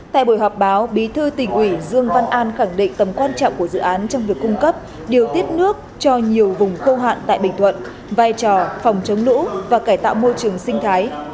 tại buổi họp báo bí thư tỉnh ủy dương văn an khẳng định tầm quan trọng của dự án trong việc cung cấp điều tiết nước cho nhiều vùng khâu hạn tại bình thuận vai trò phòng chống lũ và cải tạo môi trường sinh thái